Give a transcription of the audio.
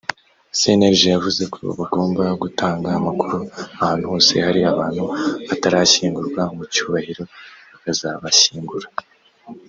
cnlg yavuze ko bagomba gutanga amakuru ahantu hose hari abantu batarashyingurwa mu cyubahiro bakazabashyingura